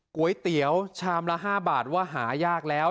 ก๋วยเตี๋ยวชามละ๕บาทว่าหายากแล้ว